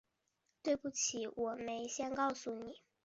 对不起，我没先告诉你